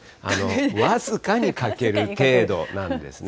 僅かに欠ける程度なんですね。